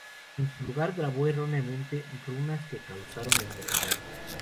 En su lugar, grabó erróneamente runas que causaron enfermedad.